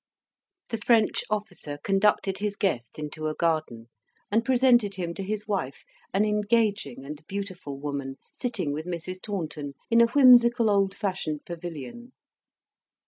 The French officer conducted his guest into a garden and presented him to his wife, an engaging and beautiful woman, sitting with Mrs. Taunton in a whimsical old fashioned pavilion.